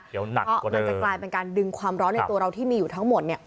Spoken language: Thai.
เดี๋ยวหนักกว่ามันจะกลายเป็นการดึงความร้อนในตัวเราที่มีอยู่ทั้งหมดเนี่ย